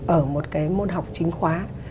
ở một cái môn học chính khóa